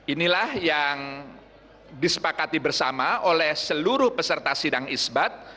inilah yang disepakati bersama oleh seluruh peserta sidang isbat